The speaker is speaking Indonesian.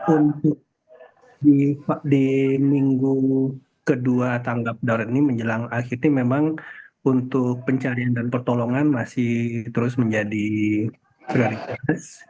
untuk di minggu kedua tanggap darurat ini menjelang akhir ini memang untuk pencarian dan pertolongan masih terus menjadi prioritas